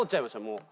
もう。